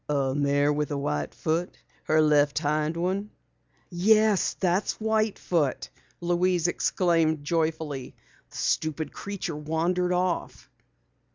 "A mare with a white foot? Her left hind one?" "Yes, that's White Foot!" Louise exclaimed joyfully. "The stupid creature wandered off."